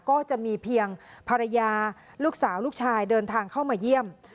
ก็จะมีเพียงภรรยาลูกสาวลูกชายเดินทางเข้ามาเยี่ยม